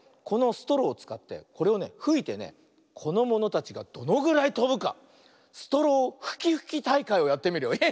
このストローをつかってこれをねふいてねこのものたちがどのぐらいとぶか「ストローふきふきたいかい」をやってみるよ。